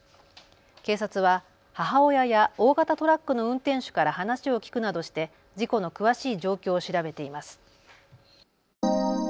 警察は母親や大型トラックの運転手から話を聞くなどして事故の詳しい状況を調べています。